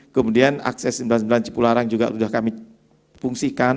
kemudian akses sembilan puluh sembilan cipularang juga sudah kami fungsikan